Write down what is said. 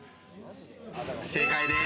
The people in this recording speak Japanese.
正解です。